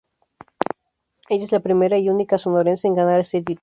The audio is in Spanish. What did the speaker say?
Ella es la primera y única Sonorense en ganar este título.